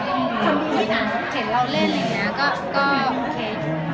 แล้วก็เขาก็เห็นเราเล่นอะไรอย่างนี้นะก็โชว์